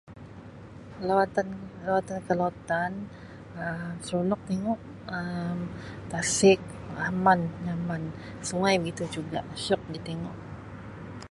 Lawatan-lawatan ke lautan Um seronok tingu Um tasik aman, nyaman. Sungai begitu juga, syiok ditingu.